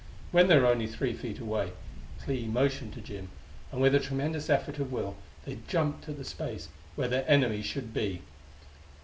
When they were only three feet away Clee motioned to Jim, and with a tremendous effort of will they jumped at the space where their enemy should be.